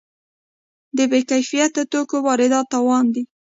د بې کیفیت توکو واردات تاوان دی.